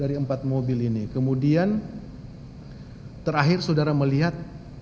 dari empat mobil ini kemudian terakhir saudara melihat